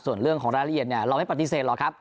ส่วนเรื่องของรายละเอียดเราไม่ปฏิเสธหรอกครับ